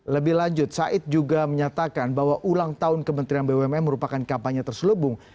lebih lanjut said juga menyatakan bahwa ulang tahun kementerian bumn merupakan kampanye terselubung